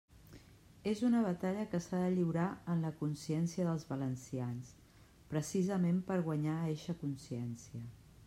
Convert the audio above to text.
És una batalla que s'ha de lliurar en la consciència dels valencians, precisament per guanyar eixa consciència.